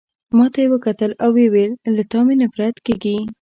ما ته يې وکتل او ويې ویل: له تا مي نفرت کیږي.